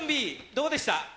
どうでした？